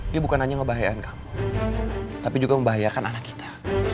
dia bukan hanya membahayakan kamu tapi juga membahayakan anak kita